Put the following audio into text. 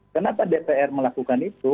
kenapa dpr melakukan itu